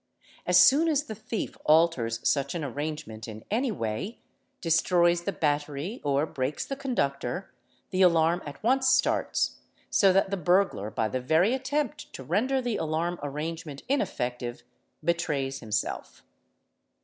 Aj . ENTERING BY THE DOOR, ETC. 739 soon as the thief alters such an arrangement in any way, destroys the _ battery, or breaks the conductor, the alarm at once starts, so that the : burglar by the very attempt to render the alarm arrangement ineffective betrays himself.